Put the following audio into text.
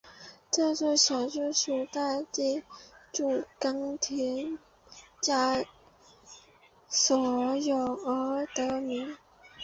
这座小丘属大地主冈田家所有而得名。